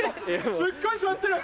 すっごい触ってるうわ